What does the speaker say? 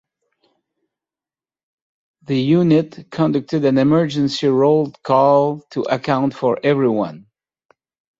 The units conducted an emergency roll call to account for everyone.